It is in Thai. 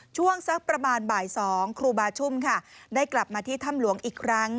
ช่วงสักประมาณบ่าย๒ครูบาชุ่มค่ะได้กลับมาที่ถ้ำหลวงอีกครั้ง